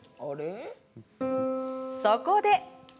そこで！